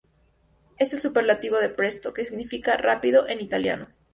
Es el superlativo de "presto" que significa "rápido" en italiano.